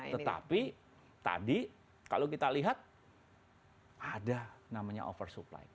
tetapi tadi kalau kita lihat ada namanya over supply